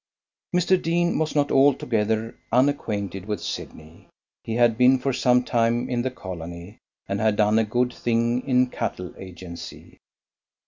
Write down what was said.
Mr. Deane was not altogether unacquainted with Sydney. He had been for some time in the colony, and had done a good thing in cattle agency.